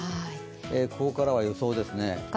ここからは予想です。